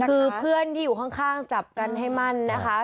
คือบอกว่าเพื่อนอยู่ข้างจับกันให้มั่น